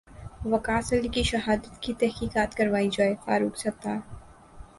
وقاص علی کی شہادت کی تحقیقات کروائی جائے فاروق ستار